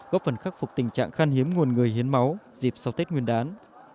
góp phần khắc phục tình trạng khan hiếm nguồn người hiến máu dịp sau tết nguyên đán